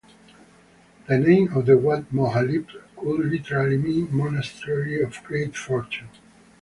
The name of the Wat Moha Leap could literally mean "monastery of great fortune".